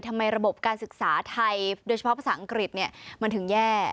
ระบบการศึกษาไทยโดยเฉพาะภาษาอังกฤษมันถึงแย่